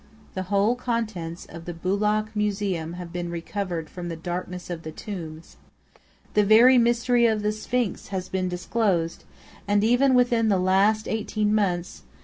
The whole contents of the Boulak Museum have been recovered from the darkness of the tombs. The very mystery of the Sphinx has been disclosed; and even within the last eighteen months, M.